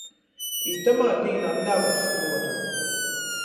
Itamā dīnā navar struoduot.